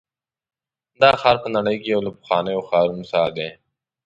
دا ښار په نړۍ کې یو له پخوانیو ښارونو څخه دی.